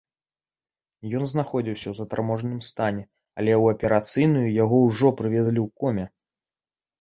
Ён знаходзіўся ў затарможаным стане, але ў аперацыйную яго ўжо прывезлі ў коме.